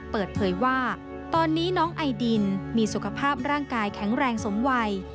เปิดเผยว่าตอนนี้น้องไอดินมีสุขภาพร่างกายแข็งแรงสมวัย